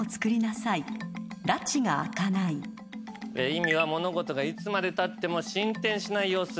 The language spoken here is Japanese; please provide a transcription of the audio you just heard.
意味は物事がいつまでたっても進展しない様子。